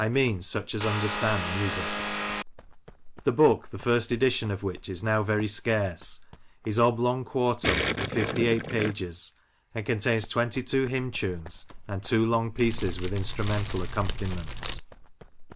mean such as understand music" The book — the first edition of which is now very scarce — is oblong quarto, of fifty eight pages, and contains twenty two hymn tunes, and two long pieces with instrumental accom paniments.